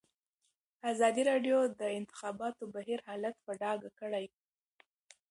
ازادي راډیو د د انتخاباتو بهیر حالت په ډاګه کړی.